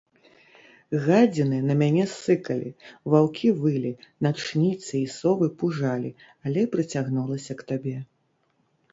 Гадзіны на мяне сыкалі, ваўкі вылі, начніцы і совы пужалі, але прыцягнулася к табе.